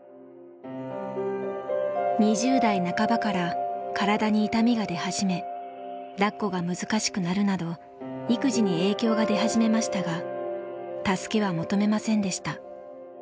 ２０代半ばから体に痛みが出始めだっこが難しくなるなど育児に影響が出始めましたが助けは求めませんでした。